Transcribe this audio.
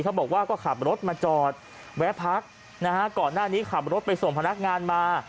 เขาบอกว่าก็ขับรถมาจอดแวะพักนะฮะก่อนหน้านี้ขับรถไปส่งพนักงานมา